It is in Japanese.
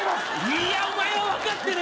いいやお前は分かってね